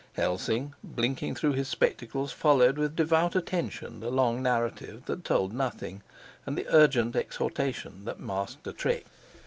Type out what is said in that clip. Helsing, blinking through his spectacles, followed with devout attention the long narrative that told nothing, and the urgent exhortation that masked a trick.